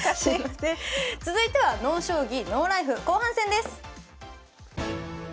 続いては「ＮＯ将棋ＮＯＬＩＦＥ」後半戦です。